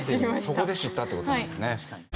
そこで知ったって事ですね。